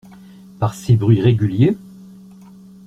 Par ses bruits réguliers?